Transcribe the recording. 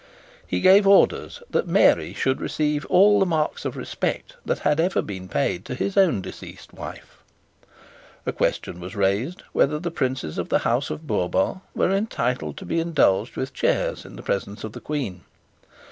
He gave orders that Mary should receive all the marks of respect that had ever been paid to his own deceased wife. A question was raised whether the Princes of the House of Bourbon were entitled to be indulged with chairs in the presence of the Queen.